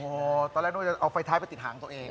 โอ้โหตอนแรกนึกว่าจะเอาไฟท้ายไปติดหางตัวเอง